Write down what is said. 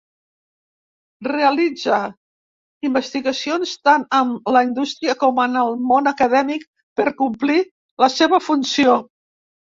Realitza investigacions tant amb la indústria com amb el món acadèmic per complir la seva funció.